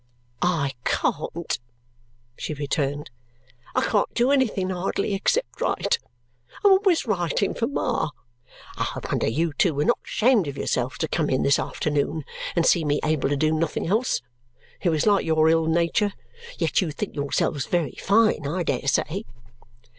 "I can't," she returned. "I can't do anything hardly, except write. I'm always writing for Ma. I wonder you two were not ashamed of yourselves to come in this afternoon and see me able to do nothing else. It was like your ill nature. Yet you think yourselves very fine, I dare say!"